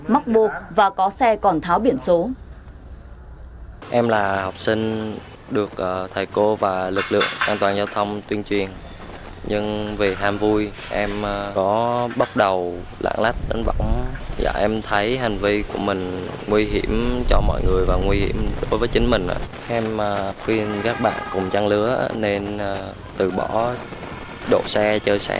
mắc bột và có xe còn tháo biển số